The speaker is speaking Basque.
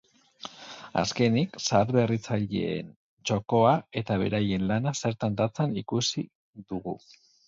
Azkenik, zaharberritzaileen txokoa eta beraien lana zertan datzan ikusi dugu.